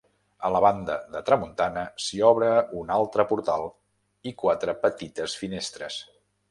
A la banda de tramuntana s'hi obre un altre portal i quatre petites finestres.